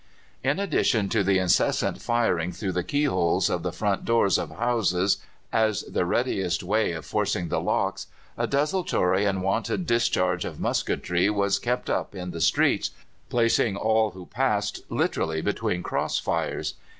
In addition to the incessant firing through the keyholes of the front doors of houses as the readiest way of forcing the locks, a desultory and wanton discharge of musketry was kept up in the streets, placing all who passed literally between cross fires.